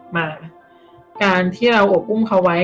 มาการที่เราอบอุ้มเขาไว้